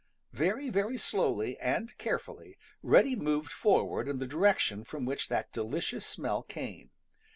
Very, very slowly and carefully Reddy moved forward in the direction from which that delicious smell came.